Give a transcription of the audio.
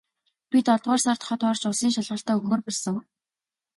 Би долоодугаар сард хот орж улсын шалгалтаа өгөхөөр болсон.